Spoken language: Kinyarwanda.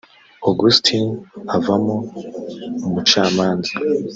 Augustin avamo umucamanza